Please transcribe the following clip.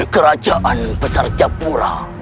kerajaan besar jabura